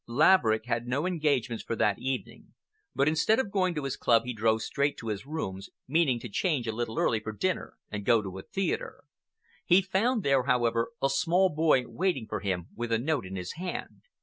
Laverick had no engagements for that evening, but instead of going to his club he drove straight to his rooms, meaning to change a little early for dinner and go to a theatre. He found there, however, a small boy waiting for him with a note in his hand.